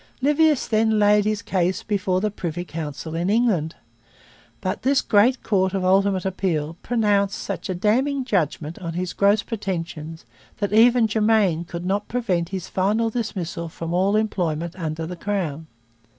Livius then laid his case before the Privy Council in England. But this great court of ultimate appeal pronounced such a damning judgment on his gross pretensions that even Germain could not prevent his final dismissal from all employment under the Crown.